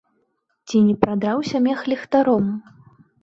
Ці не прадраўся мех ліхтаром?